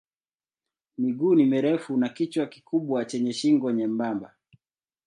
Miguu ni mirefu na kichwa kikubwa chenye shingo nyembamba.